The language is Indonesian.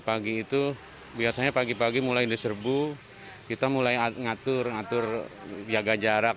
pagi itu biasanya pagi pagi mulai diserbu kita mulai ngatur ngatur jaga jarak